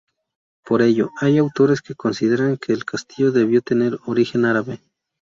Por ello hay autores que consideran que el castillo debió tener origen árabe.